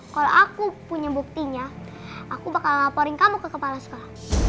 kalau aku punya buktinya aku bakal laporin kamu ke kepala sekolah